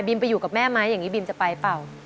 ไปอยู่กับแม่ไหมอย่างนี้บินจะไปเปล่า